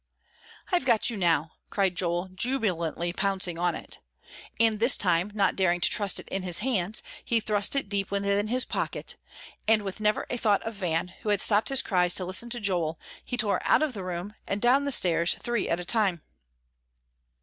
"I've got you now," cried Joel, jubilantly pouncing on it. And this time, not daring to trust it in his hands, he thrust it deep within his pocket, and with never a thought of Van, who had stopped his cries to listen to Joel, he tore out of the room, and down the stairs, three at a time.